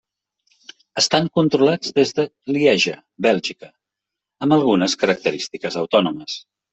Estan controlats des de Lieja, Bèlgica, amb algunes característiques autònomes.